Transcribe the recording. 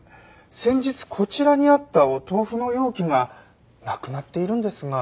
先日こちらにあったお豆腐の容器がなくなっているんですが。